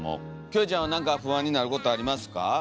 キョエちゃんは何か不安になることありますか？